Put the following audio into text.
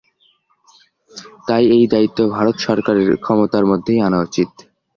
তাই এই দায়িত্ব ভারত সরকারের ক্ষমতার মধ্যেই আনা উচিত।